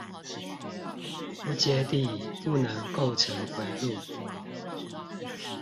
不接地不能構成迴路